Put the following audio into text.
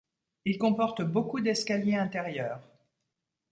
Il comporte beaucoup d’escaliers intérieurs.